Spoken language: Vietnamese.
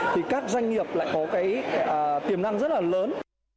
thì các doanh nghiệp lại có cái tiềm năng rất là lớn